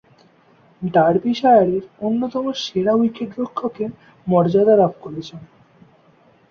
ডার্বিশায়ারের অন্যতম সেরা উইকেট-রক্ষকের মর্যাদা লাভ করেছেন।